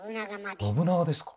信長ですか。